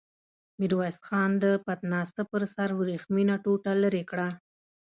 ميرويس خان د پتناسه پر سر ورېښمينه ټوټه ليرې کړه.